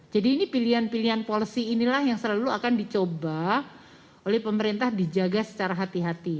jadi ini pilihan pilihan polisi inilah yang selalu akan dicoba oleh pemerintah dijaga secara hati hati